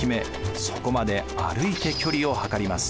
そこまで歩いて距離を測ります。